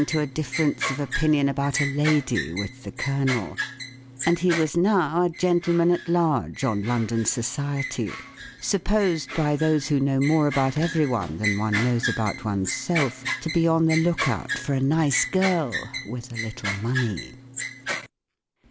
to a difference of opinion about a lady with the colonel; and he was now a gentleman at large on London society* supposed by those who know more about everyone than one knows about oneself to be on the look¬ out for a nice girl with a little money.